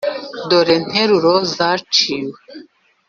dore nteruro zaciwe;